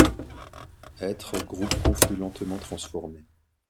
Êtres, groupes confus lentement transformés!